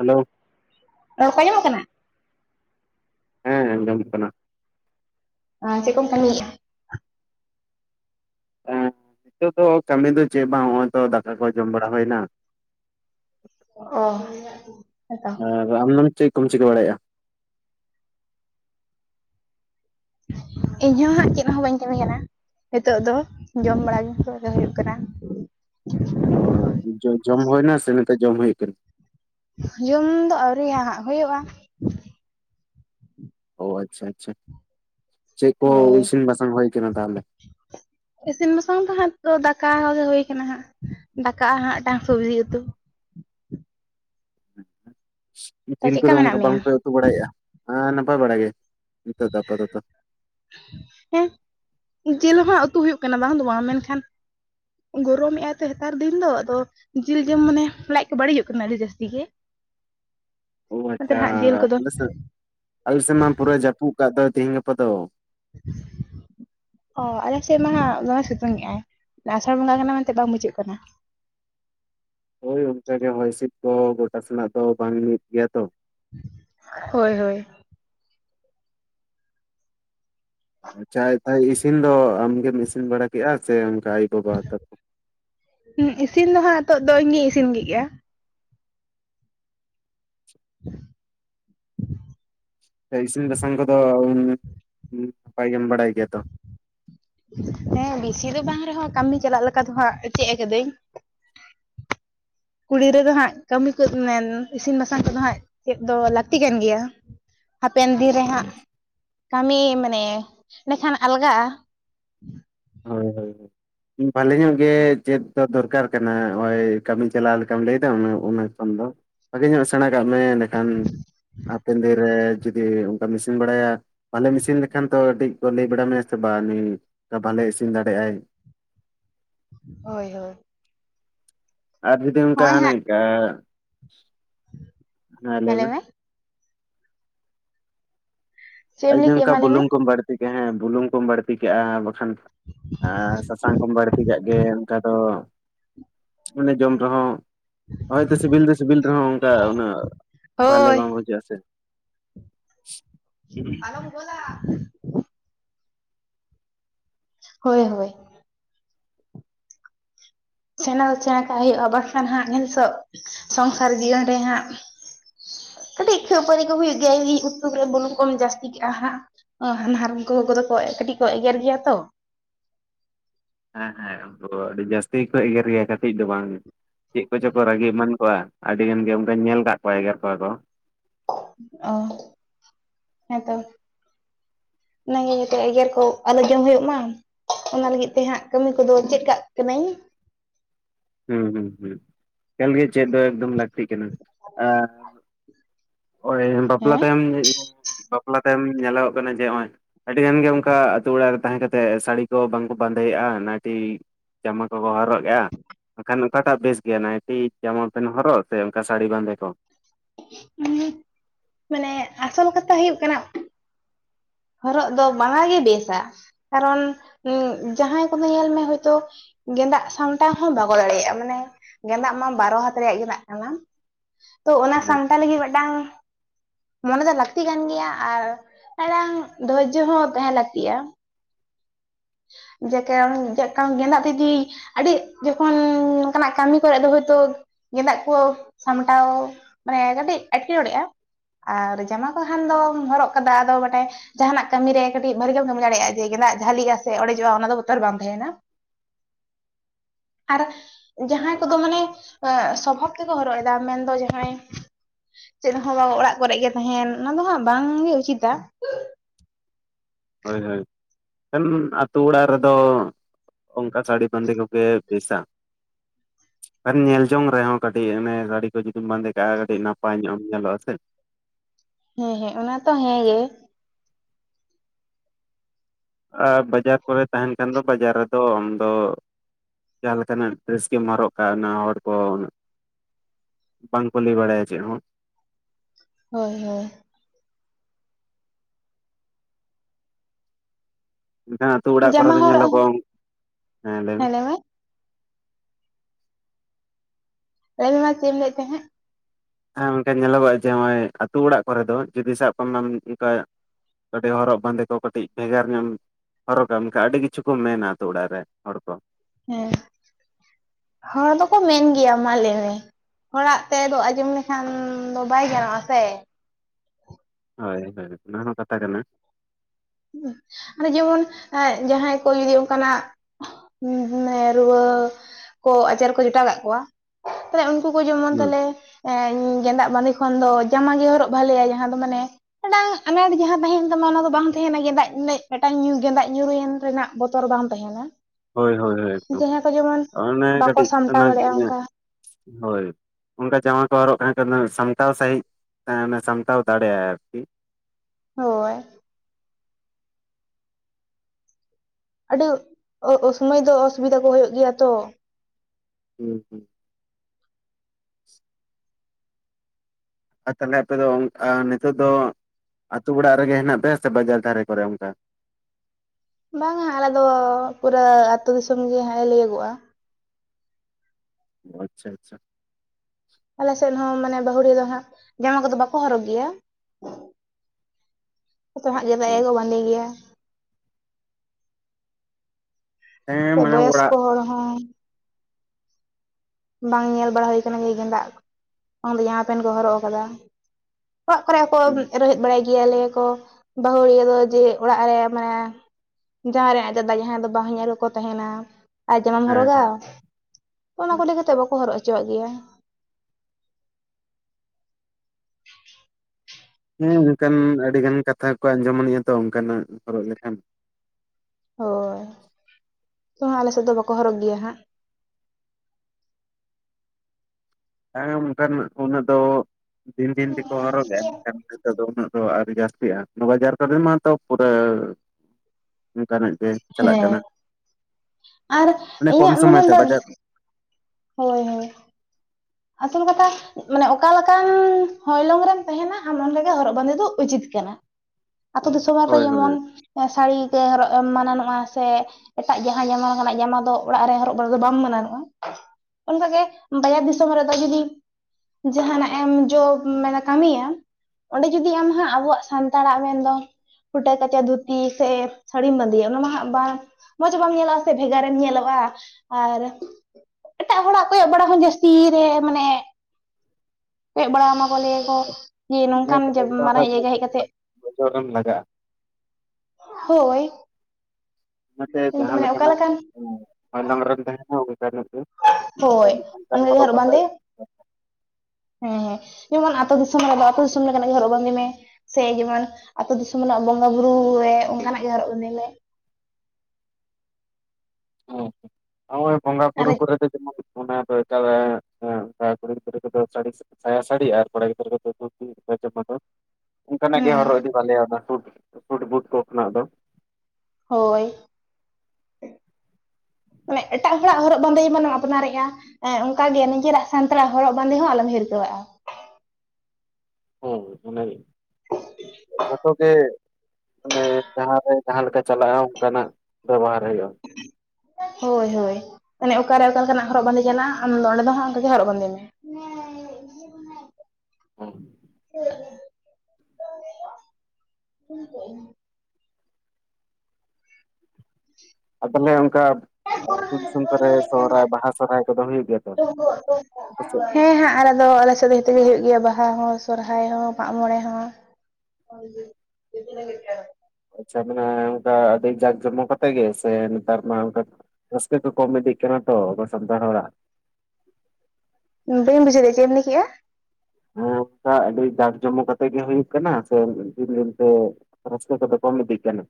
Hello. ᱨᱚᱲᱠᱚ ᱟᱧᱡᱚᱢ ᱚᱜ ᱠᱟᱱᱟ? ᱦᱮᱸ ᱟᱸᱡᱟᱢᱚᱜ ᱠᱟᱱᱟ ᱾ ᱪᱮᱜ ᱠᱚᱢ ᱠᱟᱢᱤ ᱭᱮᱜᱟ? ᱮᱸ ᱱᱤᱛᱚᱜ ᱫᱚ ᱠᱟᱹᱢᱤ ᱫᱚ ᱪᱮᱫ ᱵᱟᱝ ᱦᱚᱜ-ᱚᱭ ᱛᱚ ᱫᱟᱠᱟ ᱠᱚ ᱡᱚᱢ ᱵᱟᱲᱟ ᱦᱳᱭᱮᱱᱟ ᱾ ᱚ ᱾ ᱟᱨ ᱟᱢ ᱫᱚᱢ ᱪᱮᱫ ᱠᱚᱢ ᱪᱤᱠᱟᱹ ᱵᱟᱲᱟᱭᱟᱜ-ᱟ? ᱤᱧᱦᱚᱸ ᱦᱟᱸᱜ ᱪᱮᱫ ᱦᱚᱸ ᱵᱟᱹᱧ ᱠᱟᱹᱢᱤ ᱠᱟᱱᱟ ᱱᱤᱛᱚᱜ ᱫᱚ ᱡᱚᱢ ᱵᱟᱲᱟ ᱦᱩᱭᱩᱜ ᱠᱟᱱᱟ ᱾ ᱚ ᱡᱚᱢ ᱦᱳᱭᱱᱟ ᱥᱮ ᱱᱮᱛᱚᱜ ᱡᱚᱢ ᱦᱳᱭᱳᱜ ᱠᱟᱱᱟ ᱾ ᱡᱚᱢ ᱫᱚ ᱟᱹᱣᱨᱤ ᱭᱟ ᱦᱟᱸᱜ ᱦᱳᱭᱳᱜ-ᱟ ᱾ ᱚ ᱟᱪᱷᱟ ᱟᱪᱷᱟ ᱪᱮᱜ ᱠᱚ ᱦᱳᱭ ᱤᱥᱤᱱ ᱵᱟᱥᱟᱝ ᱦᱳᱭ ᱠᱟᱱᱟ ᱛᱟᱦᱞᱮ? ᱤᱥᱤᱱ ᱵᱟᱥᱟᱝ ᱫᱚ ᱦᱟᱸᱜ ᱫᱟᱠᱟ ᱦᱚᱸ ᱜᱮ ᱦᱳᱭ ᱠᱟᱱᱟ ᱦᱟᱸᱜ ᱾ ᱫᱟᱠᱟ ᱟ ᱦᱟᱸᱜ ᱢᱮᱴᱟᱝ ᱥᱩᱵᱡᱤ ᱩᱛᱩ ᱾ ᱛᱚ ᱡᱤᱞ ᱪᱮᱫᱠᱟ ᱠᱚᱫᱚ ᱢᱮᱱᱟᱜ ᱚᱱᱠᱟ ᱢᱮᱭᱟ? ᱵᱟᱝᱯᱮ ᱩᱛᱩ ᱵᱟᱲᱟᱭᱮᱜ-ᱟ ᱟᱨ ᱱᱟᱯᱟᱭ ᱵᱟᱲᱟ ᱜᱮ ᱱᱤᱛᱚᱜ ᱫᱚ ᱟᱯᱟᱛᱚᱛᱚ ᱾ ᱦᱮᱸ, ᱡᱮᱞ ᱦᱟᱸᱜ ᱩᱛᱩ ᱦᱩᱭᱩᱜ ᱠᱟᱱᱟ ᱵᱟᱝ ᱫᱚ ᱵᱟᱝ ᱢᱮᱱᱠᱷᱟᱱ ᱜᱚᱨᱚᱢᱮᱜ-ᱟᱭ ᱛᱚ ᱦᱮᱛᱟᱨ ᱫᱤᱱ ᱫᱚ ᱟᱫᱚ ᱡᱤᱞ ᱡᱚᱢ ᱢᱟᱱᱮ ᱞᱟᱡ ᱠᱚ ᱵᱟᱹᱲᱤᱡᱚᱜ ᱠᱟᱱᱟ ᱟᱹᱰᱤ ᱡᱟᱹᱥᱛᱤ ᱜᱮ᱾ ᱳ ᱚᱱᱟᱛᱮ ᱟᱪᱪᱷᱟ, ᱦᱟᱸᱜ ᱡᱤᱞ ᱠᱚᱫᱚ ᱟᱞᱮ ᱥᱮᱫ? ᱟᱞᱮ ᱥᱮᱱ ᱢᱟ ᱯᱩᱨᱟᱹᱭ ᱡᱟᱹᱯᱩᱜ ᱠᱟᱜ ᱫᱚᱭ ᱛᱤᱦᱤᱧ ᱜᱟᱯᱟ ᱫᱚ᱾ ᱚ ᱟᱞᱮ ᱥᱮᱫ ᱢᱟ ᱦᱟᱸᱜ ᱫᱚᱢᱮ ᱥᱤᱛᱩᱝᱮᱜ-ᱟᱭ, ᱚᱱᱟ ᱟᱥᱟᱲ ᱵᱚᱸᱜᱟ ᱠᱟᱱᱟ ᱢᱮᱱᱛᱮ ᱵᱟᱝ ᱵᱩᱡᱷᱟᱹᱜ ᱠᱟᱱᱟ᱾ ᱳᱭ ᱚᱱᱠᱟ ᱜᱮ ᱦᱚᱭ ᱦᱤᱥᱤᱫ ᱠᱚ ᱜᱚᱴᱟ ᱥᱮᱱᱟᱜ ᱫᱚ ᱵᱟᱝ ᱢᱤᱫ ᱜᱮᱭᱟ ᱛᱚ᱾ ᱦᱳᱭ ᱦᱳᱭ᱾ ᱪᱟᱭ ᱛᱟᱭ ᱤᱥᱤᱱ ᱫᱚ ᱟᱢᱜᱮᱢ ᱤᱥᱤᱱ ᱵᱟᱲᱟ ᱠᱮᱜᱼᱟ ᱥᱮ ᱚᱱᱠᱟ ᱟᱭᱳ ᱵᱟᱵᱟ ᱛᱟᱠᱚ? ᱦᱩᱸ ᱤᱥᱤᱱ ᱫᱚ ᱦᱟᱸᱜ ᱱᱤᱛᱚᱜ ᱫᱚ ᱤᱧᱜᱤᱧ ᱤᱥᱤᱱ ᱠᱮᱜ ᱜᱮᱭᱟ᱾ ᱦᱮᱸ [unintelligible] ᱮ ᱤᱥᱤᱱ ᱵᱟᱥᱟᱝ ᱠᱚᱫᱚ, ᱱᱟᱯᱟᱭ ᱜᱮᱢ ᱵᱟᱲᱟᱭ ᱜᱮᱭᱟ ᱛᱚ᱾ ᱦᱮᱸ ᱵᱮᱥᱤ ᱫᱚ ᱵᱟᱝ ᱨᱮᱦᱚᱸ ᱠᱟᱹᱢᱤ ᱪᱟᱞᱟᱜ ᱞᱮᱠᱟ ᱫᱚ ᱦᱟᱸᱜ ᱪᱮᱜ ᱟᱠᱟᱹᱫᱟᱹᱧ᱾ ᱠᱩᱲᱤ ᱨᱮᱫᱚ ᱦᱟᱸᱜ ᱠᱟᱹᱢᱤ ᱠᱚ ᱢᱮᱱ ᱤᱥᱤᱱ ᱵᱟᱥᱟᱝ ᱠᱚᱫᱚ ᱦᱟᱸᱜ ᱪᱮᱫ ᱫᱚ ᱞᱟᱹᱠᱛᱤ ᱠᱟᱱ ᱜᱮᱭᱟ᱾ ᱦᱟᱯᱮᱱ ᱫᱤᱱ ᱨᱮ ᱦᱟᱸᱜ ᱠᱟᱹᱢᱤ ᱢᱟᱱᱮ ᱮᱱᱰᱮ ᱠᱷᱟᱱ ᱟᱞᱜᱟᱜ-ᱟ᱾ ᱦᱳᱭ ᱦᱳᱭ ᱦᱳᱭ᱾ ᱵᱷᱟᱞᱤ ᱧᱚᱜ ᱜᱮ ᱪᱮᱫ ᱫᱚ ᱫᱚᱨᱠᱟᱨ ᱠᱟᱱᱟ ᱱᱚᱜ-ᱚᱭ ᱠᱟᱹᱢᱤ ᱪᱟᱞᱟᱣ ᱞᱮᱠᱟᱢ ᱞᱟᱹᱭ ᱮᱫᱟ ᱚᱱᱟ ᱚᱱᱟ ᱠᱷᱚᱱ ᱫᱚ᱾ ᱵᱷᱟᱜᱮ ᱧᱚᱜ ᱥᱮᱬᱟ ᱠᱟᱜ ᱢᱮ ᱮᱸᱰᱮ ᱠᱷᱟᱱ ᱦᱟᱯᱮᱱ ᱫᱤᱱ ᱨᱮ ᱡᱩᱫᱤ ᱚᱱᱠᱟᱢ ᱤᱥᱤᱱ ᱵᱟᱲᱟᱭᱟ᱾ ᱵᱷᱟᱞᱮᱢ ᱤᱥᱤᱱ ᱞᱮᱠᱷᱟᱱ ᱛᱚ ᱠᱟᱹᱴᱤᱡ ᱠᱚ ᱞᱟᱹᱭ ᱵᱟᱲ ᱢᱮᱭᱟ ᱥᱮ ᱵᱟᱝ ᱱᱩᱭ ᱵᱷᱟᱞᱮ ᱤᱥᱤᱱ ᱫᱟᱲᱮᱜ-ᱟᱭ᱾ ᱦᱳᱭ ᱦᱳᱭ᱾ ᱟᱨ ᱡᱩᱫᱤ ᱚᱝᱠᱟ ᱦᱚᱸᱜᱼᱚᱭ ᱦᱟᱱᱮ ᱦᱟᱸᱜ ᱮᱝᱠᱟ, ᱦᱮᱸ ᱞᱟᱹᱭ ᱢᱮ᱾ ᱪᱮᱫ ᱟᱨ ᱮᱢ ᱡᱩᱫᱤ ᱞᱟᱹᱭ ᱠᱮᱜᱼᱟ ᱚᱝᱠᱟ ᱢᱟ ᱞᱟᱹᱭ ᱢᱮ ᱵᱩᱞᱩᱝ ᱠᱚᱢ ᱵᱟᱹᱲᱛᱤ ᱠᱮᱜᱼᱟ ᱦᱮᱸ ᱵᱩᱞᱩᱝ ᱠᱚᱢ ᱵᱟᱹᱲᱛᱤ ᱠᱮᱜᱼᱟ ᱵᱟᱠᱷᱟᱱ ᱟᱨ ᱥᱟᱥᱟᱝ ᱠᱚᱢ ᱵᱟᱹᱲᱛᱤ ᱠᱟᱜ ᱜᱮ ᱚᱝᱠᱟ ᱫᱚ ᱢᱟᱱᱮ ᱡᱚᱢ ᱨᱮᱦᱚᱸ ᱦᱳᱭᱛᱚ ᱥᱤᱵᱤᱞ ᱫᱚ ᱥᱤᱵᱤᱞ ᱨᱮᱦᱚᱸ ᱚᱝᱠᱟ ᱩᱱᱟᱹᱜ ᱵᱷᱟᱞᱮ ᱦᱳᱭ ᱵᱟᱝ ᱵᱩᱡᱷᱟᱹᱜ ᱟ ᱥᱮ᱾ ᱟᱞᱚᱢ ᱜᱳᱞᱟ᱾ ᱦᱳᱭ ᱦᱳᱭ᱾ [unintelligible] ᱫᱚ ᱥᱮᱬᱟ ᱠᱟᱜ ᱦᱩᱭᱩᱜᱼᱟ ᱵᱟᱠᱷᱟᱱ ᱦᱟᱸᱜ ᱱᱮᱥᱚᱜ, ‌ᱥᱚᱝᱥᱟᱨ ᱡᱤᱭᱚᱱ ᱨᱮ ᱦᱟᱸᱜ ᱠᱟᱹᱴᱤᱡ ᱠᱷᱟᱯᱟᱹᱨᱤ ᱠᱚ ᱦᱩᱭ ᱜᱮᱭᱟ [inaudible] ᱩᱛᱩ ᱠᱚ ᱨᱮᱢ ᱵᱚᱞᱩᱝ ᱠᱚᱢ ᱡᱟᱹᱥᱛᱤ ᱠᱮᱜ-ᱟ ᱦᱟᱸᱜ᱾ ᱚ ᱦᱟᱱᱦᱟᱨ ᱩᱝᱠᱩ ᱠᱚᱫᱚ ᱠᱚ ᱠᱟᱹᱴᱤᱡ ᱠᱚ ᱮᱜᱮᱨ ᱜᱮᱭᱟ ᱛᱚ᱾ ᱦᱮᱸ ᱦᱮᱸ ᱩᱱᱠᱩ ᱫᱚ ᱟᱹᱰᱤ ᱡᱟᱹᱥᱛᱤ ᱠᱚ ᱮᱜᱮᱨ ᱜᱮᱭᱟ ᱠᱟᱹᱴᱤᱡ ᱫᱚ ᱵᱟᱝ ᱪᱮᱫ ᱠᱚᱪᱚ ᱠᱚ ᱨᱟᱹᱜᱤ ᱮᱢᱟᱱ ᱠᱚᱜ-ᱟ᱾ ᱟᱹᱰᱤ ᱜᱟᱱ ᱜᱮ ᱚᱝᱠᱟᱧ ᱧᱮᱞ ᱠᱟᱜ ᱠᱚᱣᱟ ᱮᱜᱮᱨ ᱠᱚᱣᱟ ᱠᱚ᱾ ᱚ, ᱦᱮᱸ ᱛᱚ᱾ ᱚᱱᱟᱜᱮ ᱡᱟᱛᱮ ᱮᱜᱮᱨ ᱠᱚ ᱟᱞᱚ ᱡᱚᱢ ᱦᱩᱭᱩᱜ ᱢᱟ᱾ ᱚᱱᱟ ᱞᱟᱹᱜᱤᱫ ᱛᱮ ᱦᱟᱸᱜ ᱠᱟᱹᱢᱤ ᱠᱚᱫᱚ ᱪᱮᱫ ᱠᱟᱜ ᱠᱟᱹᱱᱟᱹᱧ᱾ ᱦᱩᱸ ᱦᱩᱸ ᱦᱩᱸ, ᱮᱠᱷᱟᱞ ᱜᱮ ᱪᱮᱫ ᱫᱚ ᱮᱠᱫᱚᱢ ᱞᱟᱹᱠᱛᱤ ᱠᱟᱱᱟ, ᱟᱨ ᱳᱭ ᱵᱟᱯᱞᱟ ᱦᱮᱸ ᱛᱟᱭᱚᱢ, [inaudible] ᱵᱟᱯᱞᱟ ᱛᱟᱭᱚᱢ ᱧᱮᱞᱚᱜᱚᱜ ᱠᱟᱱᱟ ᱡᱮ ᱦᱚᱜᱸᱚᱭ ᱟᱹᱰᱤ ᱜᱟᱱ ᱜᱮ ᱚᱝᱠᱟ ᱟᱛᱩ ᱚᱲᱟᱜ ᱨᱮ ᱛᱟᱦᱮᱸ ᱠᱟᱛᱮᱜ ᱥᱟᱲᱤ ᱠᱚ ᱵᱟᱝᱠᱚ ᱵᱟᱸᱫᱮᱭᱮᱜᱼᱟ ᱱᱟᱭᱴᱤ ᱡᱟᱢᱟ ᱠᱚ ᱠᱚ ᱦᱚᱨᱚᱜᱮᱜ-ᱟ᱾ ᱮᱠᱷᱟᱱ ᱚᱠᱟᱴᱟᱜ ᱵᱮᱥ ᱜᱮᱭᱟ ᱱᱟᱭᱴᱤᱡ ᱡᱟᱢᱟ ᱯᱮᱱ ᱦᱚᱨᱚᱜ ᱥᱮ ᱚᱝᱠᱟ ᱥᱟᱹᱲᱤ ᱵᱟᱸᱫᱮ ᱠᱚ? ᱩᱸᱻ! ᱢᱟᱱᱮ ᱟᱥᱚᱞ ᱠᱟᱛᱷᱟ ᱦᱩᱭᱩᱜ ᱠᱟᱱᱟ ᱦᱚᱨᱚᱜ ᱫᱚ ᱵᱟᱱᱟᱨ ᱜᱮ ᱵᱮᱥ, ᱠᱟᱨᱚᱱ ᱡᱟᱦᱟᱸᱭ ᱠᱚᱫᱚ ᱧᱮᱞ ᱢᱮ ᱦᱚᱭᱛᱳ ᱜᱮᱸᱫᱟᱜ ᱥᱟᱢᱴᱟᱣ ᱦᱚᱸ ᱵᱟᱠᱚ ᱫᱟᱲᱮᱭᱟᱜᱼᱟ ᱢᱟᱱᱮ ᱜᱮᱸᱫᱟᱜ ᱢᱟ ᱵᱟᱨᱚ ᱦᱟᱛ ᱨᱮᱭᱟᱜ ᱜᱮᱸᱫᱟᱜ ᱠᱟᱱᱟ, ᱛᱚ ᱚᱱᱟ ᱦᱮᱸ ᱥᱟᱢᱴᱟᱣ ᱞᱟᱹᱜᱤᱫ ᱢᱤᱫᱴᱟᱝ ᱢᱚᱱᱮ ᱫᱚ ᱞᱟᱹᱠᱛᱤ ᱠᱟᱱ ᱜᱮᱭᱟ ᱟᱨ ᱢᱤᱫᱴᱟᱝ ᱫᱷᱳᱨᱡᱚ ᱦᱚᱸ ᱛᱟᱦᱮᱸ ᱞᱟᱹᱠᱛᱤᱜ-ᱟ ᱾ [unintelligible] [inaudible] ᱟᱹᱰᱤ ᱡᱚᱠᱷᱚᱱ ᱚᱱᱠᱟᱱᱟᱜ ᱠᱟᱹᱢᱤ ᱠᱚᱨᱮ ᱫᱚ ᱦᱚᱭᱛᱚ ᱜᱮᱸᱫᱟᱜ ᱠᱚ ᱥᱟᱢᱴᱟᱣ ᱢᱟᱱᱮ ᱠᱟᱹᱴᱤᱡ ᱮᱸᱴᱠᱮᱴᱚᱲᱮᱜ-ᱟ ᱾ ᱟᱨ ᱡᱟᱢᱟ ᱠᱚ ᱠᱷᱟᱱ ᱫᱚᱢ ᱦᱚᱨᱚᱜ ᱠᱟᱫᱟ ᱟᱫᱚ [inaudible] ᱡᱟᱦᱟᱱᱟᱜ ᱠᱟᱹᱢᱤ ᱨᱮ ᱠᱟᱹᱴᱤᱡ ᱵᱷᱟᱞᱮ ᱜᱮᱢ ᱠᱟᱹᱢᱤ ᱫᱟᱲᱮᱭᱟᱜ-ᱟ, ᱡᱮ ᱜᱮᱸᱫᱟᱜ ᱡᱷᱟᱹᱞᱤᱜ-ᱟ ᱥᱮ ᱚᱲᱮᱡᱚᱜ-ᱟ ᱚᱱᱟ ᱫᱚ ᱵᱚᱛᱚᱨ ᱵᱟᱝ ᱛᱟᱦᱮᱱᱟ᱾ ᱟᱨ ᱡᱟᱦᱟᱸᱭ ᱠᱚᱫᱚ ᱢᱟᱱᱮ ᱮ ᱥᱚᱵᱷᱟᱵ ᱛᱮᱠᱚ ᱦᱚᱨᱚᱜ ᱮᱫᱟ ᱢᱮᱱᱫᱚ ᱡᱟᱦᱟᱸᱭ ᱪᱮᱫᱦᱚᱸ ᱵᱟᱝ ᱚᱲᱟᱜ ᱠᱚᱨᱮᱜ ᱜᱮ ᱛᱟᱦᱮᱱ ᱚᱱᱟ ᱫᱚ ᱦᱟᱸᱜ ᱵᱟᱝ ᱜᱮ ᱩᱪᱤᱛ-ᱟ ᱾ ᱦᱳᱭ ᱦᱳᱭ ᱠᱟᱨᱚᱱ ᱟᱛᱩ ᱚᱲᱟᱜ ᱨᱮᱫᱚ ᱚᱱᱠᱟ ᱥᱟᱹᱲᱤ ᱵᱟᱸᱫᱮ ᱠᱚ ᱜᱮ ᱵᱮᱥ-ᱟ ᱧᱮᱞ ᱡᱚᱝ ᱨᱮᱦᱚᱸ ᱠᱟᱹᱴᱤᱡ ᱚᱱᱮ ᱜᱟᱸᱰᱮ ᱛᱮ ᱡᱩᱫᱤᱢ ᱵᱟᱸᱫᱮ ᱠᱟ ᱠᱟᱹᱴᱤᱡ ᱱᱟᱯᱟᱭ ᱧᱚᱜ ᱮᱢ ᱧᱮᱞᱚᱜ-ᱟ ᱥᱮ᱾ ᱦᱮᱸ ᱦᱮᱸ ᱚᱱᱟ ᱛᱚ ᱦᱮᱸ ᱜᱮ᱾ ᱟᱨ ᱵᱟᱡᱟᱨ ᱠᱚᱨᱮ ᱛᱟᱦᱮᱱ ᱠᱷᱟᱱ ᱫᱚ, ᱵᱟᱡᱟᱨ ᱨᱮᱫᱚ ᱟᱢᱫᱚ ᱡᱟᱦᱟᱸ ᱞᱮᱠᱟᱱᱟᱜ ᱰᱨᱮᱥ ᱜᱮᱢ ᱦᱚᱨᱚᱜ ᱠᱟᱜ ᱚᱱᱟ ᱦᱚᱲ ᱠᱚ ᱵᱟᱝ ᱠᱚ ᱞᱟᱹᱭ ᱵᱟᱲᱟᱭᱟ ᱪᱮᱫ ᱦᱚᱸ᱾ ᱦᱳᱭ ᱦᱳᱭ ᱾ ᱢᱮᱱᱠᱷᱟᱱ ᱟᱹᱛᱩ ᱚᱲᱟᱜ ᱠᱚᱨᱮ ᱡᱟᱢᱟ ᱫᱚ ᱦᱚᱨᱚᱜ ᱦᱚᱸ ᱧᱮᱞᱠᱚᱢ, ᱦᱮᱸ ᱞᱟᱹᱭ ᱢᱮ᱾ ᱞᱟᱹᱭ ᱢᱮ ᱢᱟ ᱪᱮᱫ ᱮᱢ ᱞᱟᱹᱭᱮᱫ ᱛᱟᱦᱮᱸᱫ᱾ ᱦᱮᱸ ᱚᱱᱠᱟ ᱧᱮᱞᱚᱜᱚᱜ-ᱟ ᱡᱮ, ᱱᱚᱜᱚᱭ ᱟᱹᱛᱩ ᱚᱲᱟᱜ ᱠᱚᱨᱮ ᱫᱚ, ᱡᱩᱫᱤ ᱥᱟᱵ ᱠᱟᱜ ᱢᱮ ᱚᱱᱠᱟ ᱠᱟᱹᱴᱤᱡ ᱦᱚᱨᱚᱜ ᱵᱟᱸᱫᱮ ᱠᱚ ᱠᱟᱹᱴᱤᱡ ᱵᱷᱮᱜᱟᱨ ᱧᱚᱜ ᱦᱚᱨᱚᱜᱟᱢ ᱮᱱᱠᱷᱟᱱ ᱟᱹᱰᱤ ᱠᱤᱪᱷᱩ ᱠᱚ ᱢᱮᱱᱟ ᱟᱛᱩ ᱚᱲᱟᱜ ᱨᱮ ᱦᱚᱲ ᱠᱚ᱾ ᱦᱮᱸ, ᱦᱚᱲ ᱫᱚᱠᱚ ᱢᱮᱱ ᱜᱮᱭᱟ, ᱢᱟ ᱞᱟᱹᱭ ᱢᱮ᱾ ᱦᱚᱲᱟᱜ ᱛᱮᱫᱚ ᱟᱸᱡᱚᱢ ᱞᱮᱠᱷᱟᱱ ᱫᱚ ᱵᱟᱭ ᱜᱟᱱᱚᱜ-ᱟ ᱥᱮ᱾ ᱦᱳᱭ ᱦᱳᱭ, ᱚᱱᱟ ᱦᱚᱸ ᱠᱟᱛᱷᱟ ᱠᱟᱱᱟ᱾ ᱢᱟᱱᱮ ᱡᱮᱢᱚᱱ, ᱮ ᱡᱟᱦᱟᱸᱭ ᱠᱚ ᱡᱩᱫᱤ ᱚᱱᱠᱟᱱᱟᱜ [unintelligible] ᱨᱩᱣᱟᱹ ᱠᱚ ᱟᱡᱟᱨ ᱠᱚ ᱡᱚᱴᱟᱣ ᱠᱟᱜ ᱠᱚᱣᱟ᱾ ᱛᱚᱵᱮ ᱩᱱᱠᱩ ᱠᱚ ᱡᱮᱢᱚᱱ ᱦᱩᱸ ᱛᱟᱦᱟᱞᱮ ᱮᱸ ᱜᱮᱸᱫᱟᱜ ᱵᱟᱸᱫᱮ ᱠᱷᱚᱱ ᱫᱚ ᱡᱟᱢᱟ ᱜᱮ ᱦᱚᱨᱚᱜ ᱵᱷᱟᱞᱮᱭᱟ, ᱡᱟᱦᱟᱸ ᱫᱚ ᱢᱟᱱᱮ ᱢᱤᱫᱴᱟᱝ ᱟᱱᱟᱴ ᱡᱟᱦᱟᱸ ᱛᱟᱦᱮᱱ ᱛᱟᱢᱟ ᱚᱱᱟ ᱫᱚ ᱵᱟᱝ ᱛᱟᱦᱮᱱᱟ ᱜᱮᱸᱫᱟᱜ ᱢᱤᱫᱴᱟᱝ ᱧᱩᱨ ᱜᱮᱸᱫᱟᱜ ᱧᱩᱨᱩᱭᱮᱱ ᱨᱮᱱᱟᱜ ᱵᱚᱛᱚᱨ ᱵᱟᱝ ᱛᱟᱦᱮᱱᱟ᱾ ᱦᱳᱭ ᱦᱳᱭ ᱦᱳᱭ ᱮᱠᱫᱚᱢ᱾ ᱡᱟᱦᱟᱸᱭ ᱠᱚ ᱡᱮᱢᱚᱱ ᱚᱱᱮ ᱵᱟᱠᱚ ᱠᱟᱹᱴᱤᱡ ᱥᱟᱢᱴᱟᱣ ᱚᱱᱟ ᱜᱮ ᱫᱟᱲᱮᱭᱟᱜᱼᱟ ᱦᱟᱸᱜ, ᱚᱱᱠᱟ ᱦᱳᱭ᱾ ᱚᱱᱰᱮ ᱡᱟᱢᱟ ᱠᱚ ᱦᱚᱨᱚᱜ ᱛᱟᱦᱮᱸ ᱠᱟᱱᱟ ᱥᱟᱢᱴᱟᱣ ᱥᱟᱹᱦᱤᱡ ᱮᱸ ᱚᱱᱟ ᱥᱟᱢᱴᱟᱣ ᱫᱟᱲᱮᱭᱟᱜ-ᱟᱭ ᱟᱨᱠᱤ᱾ ᱦᱳᱭ᱾ ᱟᱹᱰᱤ ᱚᱥᱚᱢᱟᱹᱭ ᱫᱚ ᱚᱥᱩᱵᱤᱫᱟ ᱠᱚ ᱦᱩᱭᱩᱜ ᱜᱮᱭᱟ ᱛᱚ᱾ [inaudible] [unintelligible] ᱟᱨ ᱛᱟᱦᱟᱞᱮ ᱟᱯᱮ ᱫᱚ ᱚᱱᱠᱟ ᱱᱤᱛᱚᱜ ᱫᱚ ᱟᱹᱛᱩ ᱚᱲᱟᱜ ᱨᱮᱜᱮ ᱦᱮᱱᱟᱜ ᱯᱮᱭᱟ ᱥᱮ ᱵᱟᱡᱟᱨ ᱫᱷᱟᱨᱮ ᱠᱚᱨᱮ ᱚᱱᱠᱟ? ᱵᱟᱝᱟ ᱟᱞᱮ ᱫᱚ ᱯᱩᱨᱟᱹ ᱟᱹᱛᱩ ᱫᱤᱥᱚᱢ ᱜᱮ ᱦᱟᱸᱜ ᱞᱟᱹᱭᱟᱹᱜᱚᱜ-ᱟ᱾ ᱟᱪᱪᱷᱟ ᱟᱪᱪᱷᱟ᱾ ᱟᱞᱮ ᱥᱮᱱ ᱦᱚᱸ ᱢᱟᱱᱮ ᱵᱟᱹᱦᱩᱲᱤ ᱫᱚ ᱦᱟᱸᱜ ᱡᱟᱢᱟ ᱠᱚᱫᱚ ᱵᱟᱠᱚ ᱦᱚᱨᱚᱜᱽ ᱜᱮᱭᱟ᱾ ᱡᱷᱚᱛᱚ ᱦᱟᱸᱜ ᱚ ᱜᱮᱸᱫᱟᱜ ᱜᱮᱠᱚ ᱵᱟᱸᱫᱮ ᱜᱮᱭᱟ᱾ ᱦᱮᱸ ᱥᱮ ᱢᱟᱱᱮ ᱚᱲᱟᱜ ᱵᱚᱭᱚᱥᱠᱚ ᱦᱚᱲ ᱦᱚᱸ᱾ ᱵᱟᱝ ᱧᱮᱞ ᱵᱟᱲᱟ ᱦᱩᱭ ᱟᱠᱟᱱᱟ ᱡᱮ ᱜᱮᱸᱫᱟᱜ ᱵᱟᱝ ᱫᱚ ᱡᱟᱢᱟ ᱯᱮᱱ ᱠᱚ ᱦᱚᱨᱚᱜ ᱟᱠᱟᱫᱟ᱾ ᱚᱲᱟᱜ ᱠᱚᱨᱮ ᱦᱮᱸ ᱦᱚᱸᱠᱚ ᱨᱳᱦᱮᱫ ᱵᱟᱲᱟᱭ ᱜᱮᱭᱟ᱾ ᱞᱮᱭᱟ ᱠᱚ ᱵᱟᱹᱦᱩᱲᱤᱭᱟᱹ ᱫᱚ ᱡᱮ ᱚᱲᱟᱜ ᱨᱮ ᱢᱟᱱᱮ ᱡᱟᱶᱟᱭ ᱨᱮᱱ ᱟᱡ ᱫᱟᱫᱟ ᱡᱟᱦᱟᱸ ᱫᱚ ᱵᱟ ᱦᱚᱧᱦᱟᱨ ᱠᱚᱠᱚ ᱛᱟᱦᱮᱱᱟ। ᱟᱨ ᱡᱟᱢᱟᱢ ᱦᱮᱸ ᱦᱚᱨᱚᱜᱟ, ᱚᱱᱟ ᱠᱚ ᱞᱟᱹᱭ ᱠᱟᱛᱮᱜ ᱵᱟᱠᱚ ᱦᱚᱨᱚᱜ ᱦᱚᱪᱚᱣᱟᱜ ᱜᱮᱭᱟ। ᱦᱮᱸ ᱚᱱᱠᱟᱱ ᱟᱹᱰᱤ ᱜᱟᱱ ᱠᱟᱛᱷᱟ ᱠᱚ ᱟᱸᱡᱚᱢ ᱟᱹᱱᱤᱡᱼᱟ ᱛᱚ ᱚᱱᱠᱟᱱᱟᱜ ᱦᱚᱨᱚᱜ ᱞᱮᱠᱷᱟᱱ। ᱦᱳᱭᱻ ᱛᱚ ᱦᱟᱸᱜ ᱟᱞᱮᱥᱮᱫ ᱫᱚ ᱵᱟᱠᱚ ᱦᱚᱨᱚᱜᱽ ᱜᱮᱭᱟ ᱦᱟᱸᱜ। ᱦᱮᱸ ᱚᱱᱠᱷᱟᱱ ᱩᱱᱟᱹᱜ ᱫᱚ ᱫᱤᱱ ᱫᱤᱱ ᱛᱮᱠᱚ ᱦᱚᱨᱚᱜᱟ। ᱮᱱᱠᱷᱟᱱ [unintelligible] ᱼᱼ ᱛᱮᱫᱚ ᱩᱱᱟᱹᱜ ᱫᱚ ᱟᱣᱨᱤ ᱡᱟᱹᱥᱛᱤᱜᱼᱟ। ᱱᱚᱣᱟ ᱵᱟᱡᱟᱨ ᱠᱚ ᱨᱮ ᱢᱟᱛᱚ ᱯᱩᱨᱟᱹ ᱼᱼ ᱚᱱᱠᱟᱱᱟᱜ ᱜᱮ ᱪᱟᱞᱟᱜ ᱦᱮᱸ ᱠᱟᱱᱟ। ᱟᱨ ᱢᱟᱱᱮ ᱠᱚᱢ ᱤᱧᱟᱹᱜ ᱢᱚᱱᱮ ᱥᱚᱢᱚᱭ ᱛᱮ ᱫᱚ ᱵᱟᱡᱟᱨ ᱼᱼ ᱦᱳᱭ ᱦᱳᱭ। ᱟᱥᱚᱞ ᱠᱟᱛᱷᱟ। ᱢᱟᱱᱮ ᱚᱠᱟᱞᱮᱠᱟᱱ ᱦᱚᱭᱞᱚᱝ ᱨᱮᱢ ᱛᱟᱦᱮᱱᱟ, ᱟᱢ ᱚᱸᱰᱮ ᱜᱮ ᱦᱚᱨᱚᱜ ᱵᱟᱸᱫᱮ ᱫᱚ ᱩᱪᱤᱛ ᱠᱟᱱᱟ। ᱟᱹᱛᱩ ᱫᱤᱥᱚᱢ ᱨᱮ ᱦᱳᱭ ᱦᱳᱭ ᱡᱮᱢᱚᱱ, ᱥᱟᱲᱤ ᱛᱮ ᱦᱚᱨᱚᱜ ᱮᱢ ᱢᱟᱱᱟᱱᱚᱜᱼᱟ। ᱥᱮ ᱼᱼ ᱮᱴᱟᱜ ᱡᱟᱦᱟᱸᱭ ᱡᱟᱢᱟ ᱞᱮᱠᱟᱱᱟᱜ ᱡᱟᱢᱟ ᱫᱚ ᱚᱲᱟᱜ ᱨᱮ ᱦᱚᱨᱚᱜ ᱵᱟᱲᱟ ᱫᱚ ᱵᱟᱢ ᱢᱟᱱᱟᱱᱚᱜᱼᱟ। ᱚᱱᱠᱟᱜᱮ ᱵᱟᱭᱟᱨ ᱫᱤᱥᱼᱼᱼ ᱥᱚᱢ ᱨᱮᱫᱚ ᱡᱩᱫᱤ ᱡᱟᱦᱟᱱᱟᱜ ᱮᱢ ᱡᱚ ᱢᱟᱱᱮ ᱠᱟᱹᱢᱤᱭᱟᱢ, ᱚᱸᱰᱮ ᱡᱩᱫᱤ ᱟᱢ ᱦᱟᱸᱜ ᱟᱵᱚᱣᱟᱜ ᱥᱟᱱᱛᱟᱲᱟᱜ, ᱢᱮᱱᱫᱚ ᱼᱼ ᱯᱷᱩᱴᱟᱹ ᱠᱟᱪᱟ ᱫᱷᱩᱛᱤ ᱥᱮ ᱥᱟᱹᱲᱤᱢ ᱵᱟᱸᱫᱮᱭᱟ। ᱚᱱᱟ ᱢᱟ ᱦᱟᱸᱜ ᱵᱟᱝ ᱼᱼ ᱢᱚᱡᱽ ᱵᱟᱢ ᱧᱮᱞᱚᱜᱼᱟ ᱥᱮ, ᱵᱷᱮᱜᱟᱨᱮᱢ ᱧᱮᱞᱚᱜᱼᱟ। ᱟᱨ ᱮᱴᱟᱜ ᱦᱚᱲᱟᱜ ᱠᱚᱭᱚᱜ ᱵᱟᱲᱟ ᱦᱚᱸ ᱡᱟᱹᱥ ᱼᱼ ᱛᱤᱨᱮ ᱢᱟᱱᱮ ᱠᱚᱭᱚᱜ ᱵᱟᱲᱟ ᱟᱢᱟ। ᱠᱚ ᱞᱟᱹᱭᱟ ᱠᱚ ᱡᱮ, ᱱᱚᱝᱠᱟᱱ ᱢᱟᱨᱟᱝ ᱧᱚᱜ ᱡᱟᱭᱜᱟ ᱦᱮᱡ ᱠᱟᱛᱮᱜ ᱼᱼ ᱵᱩᱡᱷᱟᱹᱣ ᱮᱢ ᱞᱟᱜᱟᱜᱼᱟ ᱦᱳᱭ᱾ ᱚᱱᱟᱛᱮ ᱠᱤᱱᱛᱩ ᱡᱟᱦᱟᱸ ᱢᱟᱱᱮ ᱚᱠᱟ ᱞᱮᱠᱟᱱᱟᱜ ᱞᱮᱠᱟᱱ ᱦᱚᱭᱞᱚᱝ ᱨᱮᱢ ᱛᱟᱦᱮᱱᱟ ᱚᱱᱠᱟᱱᱟᱜᱮᱼᱼ ᱦᱳᱭ ᱚᱱᱠᱟᱱ ᱚᱱᱠᱟᱱ ᱚᱱᱠᱟ ᱜᱮ ᱦᱚᱨᱟᱜ ᱦᱚᱨᱚᱜ ᱵᱟᱸᱫᱮ ᱫᱚᱨᱠᱟᱨ᱾ ᱦᱮᱸ ᱡᱮᱢᱚᱱ ᱟᱛᱳ ᱫᱤᱥᱚᱢ ᱨᱮ ᱟᱛᱳ ᱫᱤᱥᱚᱢ ᱨᱮᱱᱟᱜ ᱜᱮ ᱦᱚᱨᱚᱜ ᱵᱟᱸᱫᱮ ᱢᱮ᱾ ᱥᱮ ᱡᱮᱢᱚᱱ ᱟᱛᱳ ᱫᱤᱥᱚᱢ ᱨᱮᱱᱟᱜ ᱵᱚᱸᱜᱟ ᱵᱩᱨᱩ ᱨᱮ ᱚᱱᱠᱟᱱᱟᱜ ᱜᱮ ᱦᱚᱨᱚᱜ ᱵᱟᱸᱫᱮ ᱢᱮ᱾ ᱦᱚᱸᱜᱼᱭ ᱵᱚᱸᱜᱟ ᱟᱨ ᱵᱩᱨᱩ ᱠᱚᱨᱮ ᱫᱚ ᱡᱮᱢᱚ ᱮ [inaudible] ᱥᱟᱭᱟ ᱥᱟᱹᱲᱤ ᱟᱨ ᱠᱚᱲᱟ ᱜᱤᱫᱽᱨᱟᱹ ᱠᱚᱫᱚ ᱫᱷᱩᱛᱤ ᱯᱮᱪᱳ ᱯᱟᱸᱰᱳ᱾ ᱚᱱᱠᱟᱱᱟᱜ ᱜᱮ ᱦᱚᱨᱚᱜ ᱦᱩᱸ ᱤᱫᱤ ᱵᱟᱱᱫᱮᱭᱟ ᱚᱱᱟ ᱥᱤᱢ, ᱥᱩᱴ ᱵᱩᱴ ᱠᱚ ᱠᱷᱚᱱᱟᱜ ᱫᱚ᱾ ᱦᱳᱭ᱾ [unintelligible] ᱢᱟᱱᱮᱜ ᱮᱴᱟᱜ ᱦᱚᱲᱟᱜ ᱦᱚᱨᱚᱜ ᱵᱟᱸᱫᱮᱭ ᱢᱟᱱᱮ ᱟᱯᱱᱟᱨᱮᱜᱼᱟ᱾ ᱦᱮᱸ ᱚᱱᱠᱟ ᱜᱮ ᱱᱤᱡᱮᱨᱟᱜ ᱥᱟᱱᱛᱟᱲ-ᱟ ᱦᱚᱨᱚᱜ ᱵᱟᱸᱫᱮ ᱦᱚᱸ ᱟᱞᱚᱢ ᱦᱤᱨᱠᱟᱹᱣᱟᱜᱼᱟ᱾ ᱦᱩᱸ ᱚᱱᱟᱜᱮ ᱡᱚᱛᱚ ᱜᱮᱼᱼ ᱢᱟᱱᱮ ᱡᱟᱦᱟᱸᱨᱮ ᱡᱟᱦᱟᱸ ᱞᱮᱠᱟ ᱪᱟᱞᱟᱜᱼᱟ ᱚᱱᱠᱟᱱᱟᱜ ᱵᱮᱵᱚᱦᱟᱨ ᱦᱩᱭᱩᱜᱼᱟ᱾ ᱦᱳᱭ ᱦᱳᱭ᱾ ᱢᱟᱱᱮ ᱚᱠᱟᱨᱮ ᱚᱠᱟ ᱞᱮᱠᱟᱱᱟᱜ ᱦᱚᱨᱚᱜ ᱵᱟᱸᱫᱮ ᱪᱟᱞᱟᱜᱼᱟ ᱟᱢ ᱫᱚ ᱚᱸᱰᱮ ᱫᱚ ᱦᱟᱸᱜ ᱚᱱᱠᱟᱜ ᱜᱮ ᱦᱚᱨᱚᱜ ᱵᱟᱸᱫᱮ ᱢᱮ᱾ [unintelligible] [unintelligible] ᱟᱥᱚᱞᱮ ᱚᱱᱠᱟᱼᱼᱼ ᱟᱛᱩ ᱫᱤᱥᱚᱢ ᱠᱚᱨᱮ ᱥᱚᱦᱦᱟᱭ ᱵᱟᱦᱟ ᱥᱚᱦᱦᱟᱭ ᱠᱚᱫᱚ ᱦᱩᱭᱩᱜ ᱜᱮᱭᱟ ᱛᱚ ᱟᱯᱮ ᱥᱮᱜ? ᱟᱨ ᱟᱫᱚ ᱟᱞᱮ ᱥᱮᱫ ᱫᱚ ᱡᱚᱛᱚ ᱜᱮ ᱦᱩᱭᱩᱜ ᱜᱮᱭᱟ ᱵᱟᱦᱟ ᱦᱚᱸ, ᱥᱚᱨᱦᱟᱭ ᱦᱚᱸ, ᱢᱟᱜ ᱢᱚᱬᱮ ᱦᱚᱸ᱾ [unintelligible] ᱟᱪᱷᱟ ᱢᱟᱱᱮ ᱚᱱᱠᱟ ᱟᱹᱰᱤ ᱡᱟᱸᱠ ᱡᱚᱢᱚᱠ ᱟᱛᱮ ᱜᱮ, ᱥᱮ ᱱᱮᱛᱟᱨ ᱢᱟ ᱚᱱᱠᱟᱼᱼ ᱨᱟᱹᱥᱠᱟ ᱠᱚ ᱠᱚᱢ ᱤᱫᱤ ᱠᱟᱱᱟ ᱛᱚ ᱟᱵᱚ ᱥᱟᱱᱛᱟᱲ ᱦᱚᱲᱟ᱾ ᱵᱟᱹᱧ ᱵᱩᱡᱟᱹᱣ ᱫᱟ ᱪᱮᱫ ᱮᱢ ᱞᱮᱭ ᱠᱮᱫᱼᱟ? ᱦᱮᱸ ᱚᱱᱠᱟ ᱟᱹᱰᱤ ᱡᱟᱠ ᱡᱚᱢᱚ ᱠᱟᱛᱮᱜ ᱜᱮ ᱦᱩᱭᱩᱜ ᱠᱟᱱᱟ ᱥᱮ ᱫᱤᱱ ᱫᱤᱱ ᱛᱮᱼᱼᱼ ᱨᱟᱹᱥᱠᱟᱹ ᱠᱚᱫᱚ ᱠᱚᱢ ᱤᱫᱤ ᱠᱟᱱᱟ᱾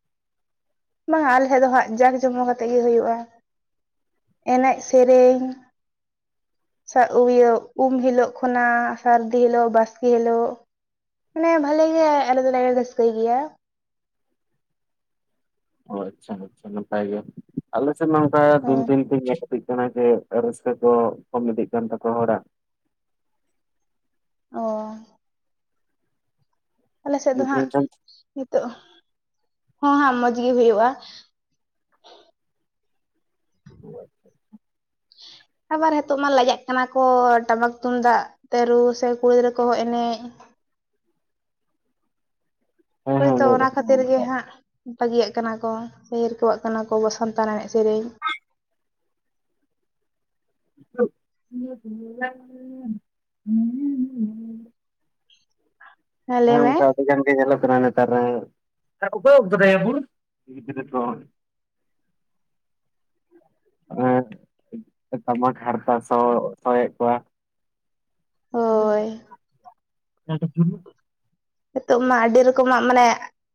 ᱵᱟᱝᱟ ᱟᱞᱮ ᱥᱮᱫ ᱫᱚ ᱦᱟᱸᱜ ᱡᱟᱠ ᱡᱚᱢᱚ ᱠᱟᱛᱮ ᱜᱮ ᱦᱩᱭᱩᱜᱼᱟ᱾ ᱮᱱᱮᱡ ᱥᱮᱨᱮᱧ᱾ ᱥᱟᱵ ᱤᱭᱟᱹ ᱩᱢ ᱦᱤᱞᱳᱜ ᱠᱷᱚᱱᱟᱜ ᱥᱟᱹᱨᱫᱤ ᱦᱤᱞᱳᱜ ᱵᱟᱥᱠᱮ ᱦᱤᱞᱳᱜ ᱢᱟᱱᱮ ᱵᱷᱟᱞᱮ ᱜᱮ ᱟᱞᱮ ᱫᱚᱞᱮ ᱨᱟᱹᱥᱠᱟᱹᱭ ᱜᱮᱭᱟ᱾ ᱚ ᱟᱪᱪᱷᱟ ᱟᱪᱪᱷᱟ ᱱᱟᱯᱟᱭ ᱜᱮ ᱟᱞᱮ ᱥᱮᱫ ᱱᱚᱝᱠᱟ ᱫᱤᱱ ᱦᱮᱸ ᱫᱤᱱ ᱛᱮ ᱡᱟᱥᱛᱤ ᱠᱟᱱᱟ ᱡᱮ ᱨᱟᱹᱥᱠᱟᱹ ᱠᱚ ᱠᱚᱢ ᱤᱫᱤᱜ ᱠᱟᱱ ᱛᱟᱠᱚᱣᱟ ᱦᱚᱲᱟᱜ᱾ ᱚᱻ᱾ ᱟᱞᱮ ᱥᱮᱫ ᱫᱚ ᱦᱟᱸᱜ ᱢᱮᱱᱠᱷᱟᱱ ᱱᱤᱛᱚᱜ ᱦᱚᱸ ᱦᱟᱜ ᱢᱚᱡᱽ ᱜᱮ ᱦᱩᱭᱩᱜᱼᱟ᱾ [unintelligible] ᱟᱵᱟᱨ ᱦᱤᱛᱚᱜ ᱢᱟ ᱞᱟᱡᱟᱜ ᱠᱟᱱᱟ ᱠᱚ ᱴᱟᱢᱟᱠ ᱛᱩᱢᱫᱟᱜ ᱛᱮ, ᱨᱩ ᱥᱮ ᱠᱩᱲᱤ ᱜᱤᱫᱽᱨᱟᱹ ᱠᱚᱦᱚ ᱮᱱᱮᱡ ᱦᱮᱸ ᱦᱳᱭ ᱛᱚ ᱚᱱᱟ ᱦᱮᱸ ᱠᱷᱟᱹᱛᱤᱨ ᱜᱮ ᱦᱟᱸᱜ, ᱵᱟᱹᱜᱤᱭᱟᱜ ᱠᱟᱱᱟ ᱠᱚ ᱥᱮ ᱦᱤᱨᱠᱟᱹᱣᱟᱜ ᱠᱟᱱᱟ ᱠᱚ ᱟᱵᱚ ᱥᱟᱱᱛᱟᱲ ᱮᱱᱮᱡ ᱥᱮᱨᱮᱧ᱾ [unintelligible] ᱦᱮᱸ ᱞᱟᱹᱭ ᱢᱮ᱾ ᱟᱹᱰᱤ ᱜᱟᱱ ᱜᱮ ᱧᱮᱞᱚ ᱠᱟᱱᱟ ᱱᱮᱛᱟᱨ ᱢᱟ, ᱟᱨ ᱚᱠᱚᱭ ᱩᱵ ᱠᱟᱫᱟᱭᱟ ᱦᱩᱲᱩ? ᱦᱤᱨᱤᱡ ᱟᱠᱟᱫᱟ ᱠᱚ ᱾ [unintelligible] ᱟᱨ ᱴᱟᱢᱟᱠ ᱦᱟᱨᱛᱟ ᱥᱚ ᱥᱚᱭᱮᱫ ᱠᱚᱣᱟ᱾ ᱦᱳᱭ [unintelligible] ᱦᱤᱛᱚᱜ ᱢᱟ ᱟᱹᱰᱤ ᱨᱚᱠᱚᱢᱟᱜ ᱢᱟᱱᱮ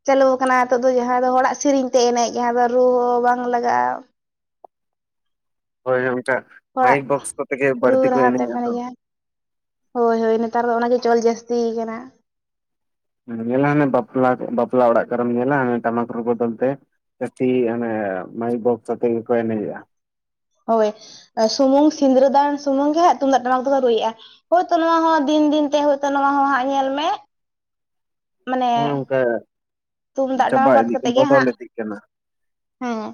ᱪᱟᱹᱞᱩ ᱟᱠᱟᱱᱟ ᱦᱤᱛᱚᱜ ᱫᱚ ᱡᱟᱦᱟᱸ ᱫᱚ ᱦᱚᱲᱟᱜ ᱥᱤᱨᱤᱧ ᱛᱮ ᱮᱱᱮᱡ ᱡᱟᱦᱟᱸ ᱫᱚ ᱨᱩ ᱦᱚᱸ ᱵᱟᱝ ᱞᱟᱜᱟᱜᱼᱟ᱾ ᱦᱳᱭ ᱚᱱᱠᱟ ᱦᱚᱲᱟᱜ ᱢᱟᱭᱤᱠ ᱵᱚᱠᱥ ᱠᱚ ᱛᱮ ᱜᱮ ᱨᱩ ᱵᱟᱹᱲᱛᱤ ᱠᱚ ᱨᱟᱦᱟ ᱛᱮᱢ ᱮᱱᱮᱡ-ᱟ ᱛᱚ᱾ ᱦᱳᱭ ᱦᱳᱭ ᱱᱮᱛᱟᱨ ᱫᱚ ᱚᱱᱟ ᱜᱮ ᱪᱚᱞ ᱡᱟᱹᱥᱛᱤ ᱠᱟᱱᱟ᱾ ᱧᱮᱞ ᱦᱚᱸ ᱦᱟᱱᱮᱢ ᱵᱟᱯᱞᱟ ᱵᱟᱯᱞᱟ ᱚᱲᱟᱜ ᱠᱨᱮᱢ ᱧᱮᱞᱟ ᱦᱟᱱᱮ ᱴᱟᱢᱟᱠ ᱨᱩ ᱵᱚᱫᱚᱞᱛᱮ ᱡᱟᱹᱥᱛᱤ ᱚᱱᱮ ᱢᱟᱭᱤᱠ ᱵᱚᱠᱥ ᱟᱛᱮ ᱜᱮᱠᱚ ᱮᱱᱮᱡᱮᱜ-ᱟ᱾ ᱦᱳᱭ ᱥᱩᱢᱩᱝ ᱥᱤᱸᱝᱨᱟᱹᱫᱟᱱ ᱥᱩᱢᱩᱝ ᱜᱮ ᱦᱟᱸᱜ ᱛᱩᱢᱫᱟᱜ ᱴᱟᱢᱟᱠ ᱫᱚᱠᱚ ᱨᱩᱭᱮᱜᱼᱟ᱾ ᱦᱳᱭ ᱛᱚ ᱱᱚᱣᱟ ᱦᱚᱸ ᱫᱤᱱ ᱫᱤᱱ ᱛᱮ ᱦᱳᱭ ᱛᱚ ᱱᱚᱣᱟ ᱦᱚᱸ ᱦᱟᱸᱜ ᱧᱮᱞ ᱢᱮ ᱢᱟᱱᱮ ᱦᱮᱸ ᱚᱱᱠᱟ ᱛᱩᱢᱫᱟᱜ ᱪᱟᱵᱟ ᱴᱟᱢᱟᱠ ᱵᱟᱫ ᱤᱫᱤᱜ ᱠᱟᱛᱮᱫ ᱜᱮ ᱵᱚᱫᱚᱞ ᱦᱟᱸᱜ ᱤᱫᱤᱜ ᱠᱟᱱᱟ᱾ ᱦᱮᱸ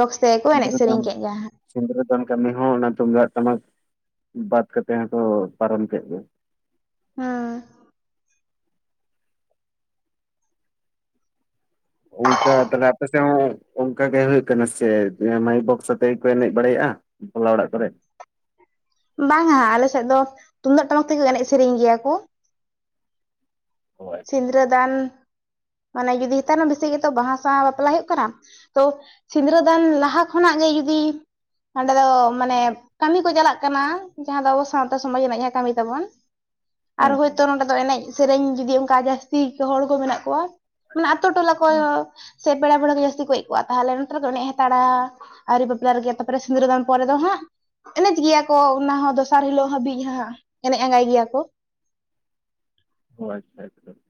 ᱵᱚᱠᱥ ᱛᱮᱜᱮ ᱠᱚ ᱮᱱᱮᱡ ᱥᱮᱨᱮᱧ ᱠᱮᱫ ᱜᱮᱭᱟ ᱦᱟᱸᱜ᱾ ᱥᱤᱫᱩᱨᱟᱹᱫᱟᱱ ᱠᱟᱹᱢᱤ ᱦᱚᱸ ᱚᱱᱟ ᱛᱩᱢᱫᱟᱜ ᱴᱟᱢᱟᱠ ᱵᱟᱫ ᱠᱟᱛᱮ ᱦᱚᱸ ᱠᱚ ᱯᱟᱨᱚᱢ ᱠᱮᱫ ᱜᱮ᱾ ᱦᱚᱸ ᱚᱝᱠᱟ ᱛᱟᱦᱚᱞᱮ ᱟᱯᱮ ᱥᱮᱫ ᱦᱚᱸ ᱚᱝᱠᱟ ᱜᱮ ᱦᱩᱭᱩᱜ ᱠᱟᱱᱟ ᱥᱮ ᱪᱮᱫ, ᱢᱟᱭᱤᱠ ᱵᱚᱠᱥ ᱟᱛᱮᱜ ᱜᱮ ᱠᱚ ᱮᱱᱮᱡ ᱵᱟᱲᱟᱭᱮᱜᱼᱟ ᱵᱟᱚᱞᱟ ᱚᱲᱟᱜ ᱠᱚᱨᱮ? ᱵᱟᱝᱟ ᱟᱞᱮᱥᱮᱫ ᱫᱚ ᱛᱩᱢᱫᱟᱹᱜ ᱴᱟᱢᱟᱠ ᱛᱮᱜᱮᱞᱮ ᱮᱱᱮᱡ ᱥᱮᱨᱮᱧ ᱜᱮᱭᱟ ᱠᱚ᱾ ᱦᱳᱭ ᱥᱤᱸᱫᱩᱨᱟᱹ ᱫᱟᱱ ᱢᱟᱱᱮ ᱡᱩᱫᱤ ᱦᱮᱛᱟᱨᱢᱟ ᱵᱮᱥᱤ ᱜᱮᱛᱚ ᱵᱟᱦᱟᱥᱟᱶᱟᱭ ᱵᱟᱯᱞᱟ ᱦᱩᱭᱩᱜ ᱠᱟᱱᱟ᱾ ᱛᱚ ᱥᱤᱸᱫᱩᱨᱟᱹ ᱫᱟᱱ ᱞᱟᱦᱟ ᱠᱷᱚᱱᱟᱜ ᱜᱮ ᱡᱩᱫᱤ ᱚᱸᱰᱮ ᱫᱚ ᱢᱟᱱᱮ ᱠᱟᱹᱢᱤ ᱠᱚ ᱪᱟᱞᱟᱜ ᱠᱟᱱᱟ ᱡᱟᱦᱟᱸ ᱫᱚ ᱟᱵᱚ ᱥᱟᱶᱛᱟ ᱥᱚᱢᱟᱡᱽ ᱨᱮᱱᱟᱜ ᱡᱟᱦᱟᱸ ᱠᱟᱹᱢᱤ ᱛᱟᱵᱚᱱ ᱟᱨ ᱦᱮᱸ ᱦᱮᱸ ᱦᱳᱭᱛᱳ ᱱᱚᱸᱰᱮ ᱫᱚ ᱮᱱᱮᱡ ᱥᱮᱨᱮᱧ ᱡᱩᱫᱤ ᱚᱱᱠᱟ ᱡᱟᱹᱥᱛᱤ ᱦᱚᱲ ᱠᱚ ᱢᱮᱱᱟᱜ ᱠᱚᱣᱟ ᱚᱱᱟ ᱟᱛᱳ ᱴᱚᱞᱟ ᱠᱚ ᱦᱮᱸ ᱥᱮ ᱯᱮᱲᱟ ᱯᱟᱹᱲᱦᱟᱹ ᱠᱚ ᱡᱟᱹᱥᱛᱤ ᱠᱚ ᱦᱮᱡ ᱠᱚᱜ-ᱟ ᱛᱟᱦᱞᱮ ᱱᱚᱛᱮ ᱨᱮ ᱠᱚ ᱮᱱᱮᱡ ᱦᱟᱛᱟᱲᱟ᱾ ᱟᱨᱤ ᱵᱟᱯᱞᱟ ᱨᱮᱜᱮ ᱛᱟᱯᱨᱮ ᱥᱤᱸᱫᱩᱨᱮ ᱫᱟᱱ ᱯᱚᱨᱮ ᱫᱚ ᱦᱟᱸᱜ ᱮᱱᱮᱡ ᱜᱮᱭᱟ ᱠᱚ ᱚᱱᱟ ᱦᱚᱸ ᱫᱚᱥᱟᱨ ᱦᱤᱞᱚᱜ ᱦᱟᱹᱵᱤᱡ ᱦᱟᱸᱜ ᱮᱱᱮᱡ ᱟᱸᱜᱟᱭ ᱜᱮᱭᱟ ᱠᱚ ᱚ ᱟᱪᱪᱷᱟ ᱟᱪᱪᱷᱟ᱾